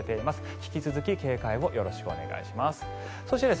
引き続き警戒をよろしくお願いします。